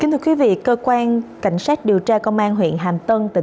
kính thưa quý vị cơ quan cảnh sát điều tra công an huyện hàm tân tỉnh bình thuận